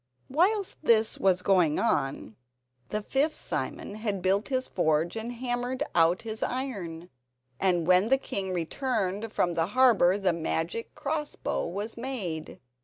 Whilst this was going on the fifth Simon had built his forge and hammered out his iron, and when the king returned from the harbour the magic cross bow was made.